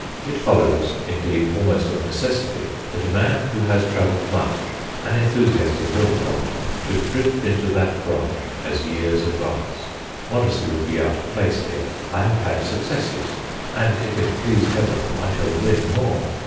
It follows, indeed, almost of necessity that a man who has travelled much, an enthusiast in horticulture, should drift into that branch as years advance. Modesty would be out of place here. I have had successes, and if it please Heaven, I shall win more.